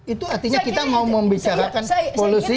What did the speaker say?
itu artinya kita mau membicarakan polisi yang